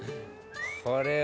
これは。